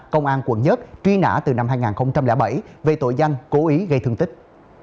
công an quận một truy nã từ năm hai nghìn bảy về tội danh cố ý gây thương tích